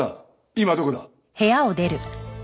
今どこだ？